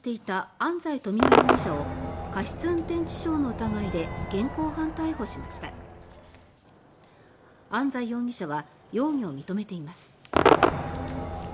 安在容疑者は容疑を認めています。